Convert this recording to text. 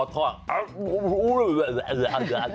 ทอดหรือ